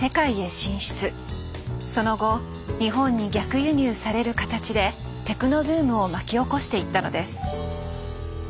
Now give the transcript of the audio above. その後日本に逆輸入される形でテクノブームを巻き起こしていったのです。